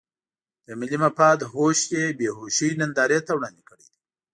د ملي مفاد هوش یې بې هوشۍ نندارې ته وړاندې کړی دی.